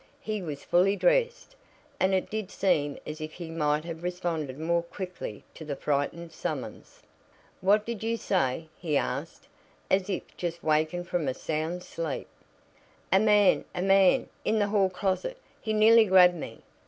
He was fully dressed, and it did seem as if he might have responded more quickly to the frightened summons. "What did you say?" he asked, as if just awakened from a sound sleep. "A man a man in the hall closet he nearly grabbed me!"